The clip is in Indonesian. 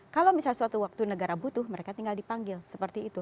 kalau misalnya suatu waktu negara butuh mereka tinggal dipanggil seperti itu